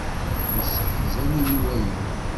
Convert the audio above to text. Yesseḥzan-iyi waya.